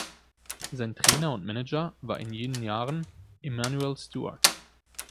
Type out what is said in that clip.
Sein Trainer und Manager war in jenen Jahren Emanuel Steward.